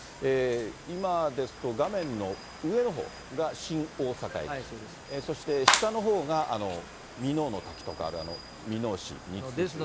今ですと、画面の上のほうが新大阪駅、そして下のほうが箕面の滝とかがある箕面市。